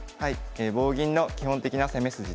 「棒銀の基本的な攻め筋」です。